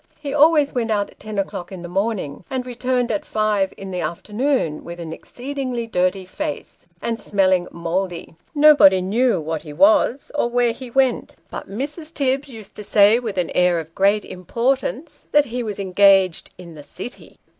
He always went out at ten o'clock in the morning, and returned at five in the afternoon, with an exceedingly dirty face, and smelling mouldy. Nobody knew what he was, or where he went ; but Mrs. Tibbs used to say with an air of great importance, that he was engaged in the City.